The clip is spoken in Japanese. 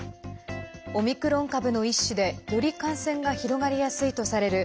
オミクロン株の一種でより感染が広がりやすいとされる